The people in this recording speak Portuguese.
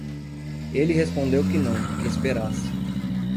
Ele respondeu que não, que esperasse.